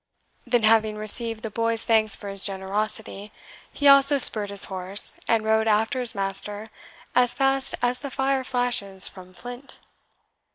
Then having received the boy's thanks for his generosity he also spurred his horse, and rode after his master as fast as the fire flashes from flint.